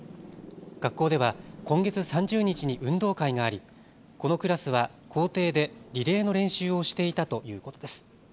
学校では今月３０日に運動会がありこのクラスは校庭でリレーの練習をしていたということです。